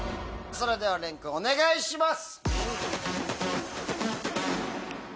それでは廉君お願いします。